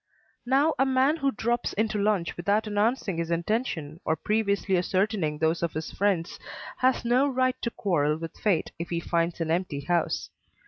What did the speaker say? Now a man who drops into lunch without announcing his intention or previously ascertaining those of his friends has no right to quarrel with fate if he finds an empty house.